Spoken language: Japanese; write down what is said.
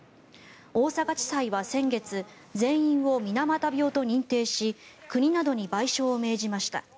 大阪地裁は先月全員を水俣病と認定し国などに賠償を命じました。